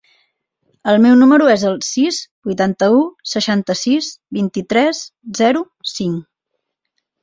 El meu número es el sis, vuitanta-u, seixanta-sis, vint-i-tres, zero, cinc.